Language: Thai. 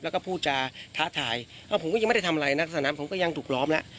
แล้วก็พูดจาท้าทายผมก็ยังไม่ได้ทำอะไรนักสนามผมก็ยังถูกล้อมแล้ว